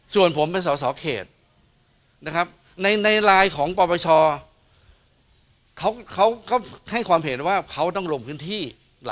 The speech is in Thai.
โดนผมไปสอสอเขตในลายของปรบัชชอให้ความเหตุว่าเขาต้องลงพื้นที่